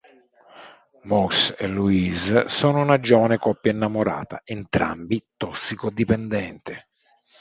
Mousse e Louis sono una giovane coppia innamorata, entrambi tossicodipendenti.